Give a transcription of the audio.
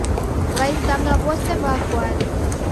W'aisanga w'ose w'akwana.